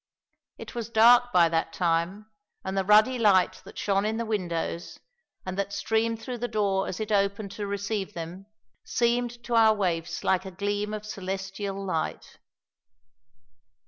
It was dark by that time, and the ruddy light that shone in the windows and that streamed through the door as it opened to receive them seemed to our waifs like a gleam of celestial light.